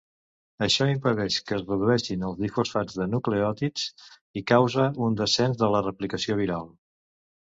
Això impedeix que es redueixin els difosfats de nucleòtids i causa un descens de la replicació viral.